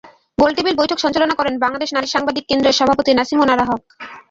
গোলটেবিল বৈঠক সঞ্চালনা করেন বাংলাদেশ নারী সাংবাদিক কেন্দ্রের সভাপতি নাসিমুন আরা হক।